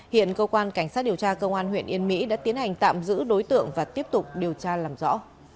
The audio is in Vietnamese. hiện cơ quan cảnh sát điều tra công an huyện yên mỹ đã tiến hành tạm giữ đối tượng và tiếp tục điều tra làm rõ